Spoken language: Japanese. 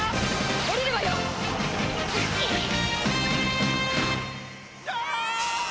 おりるわよ。わ！